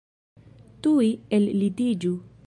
Tuj ellitiĝu!